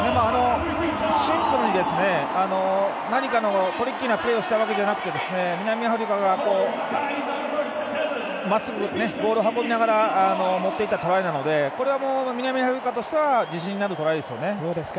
シンプルに何かトリッキーなプレーをしたわけじゃなくて南アフリカがまっすぐボールを運びながら持っていったトライなのでこれは南アフリカとしては自信になるトライですよね。